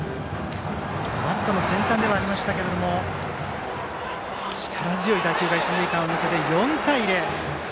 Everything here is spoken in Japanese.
バットの先端ではありましたが力強い打球が一、二塁間を抜けて、４対０。